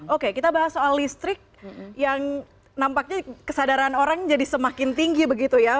oke kita bahas soal listrik yang nampaknya kesadaran orang jadi semakin tinggi begitu ya